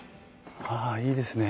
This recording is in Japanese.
あいいですね。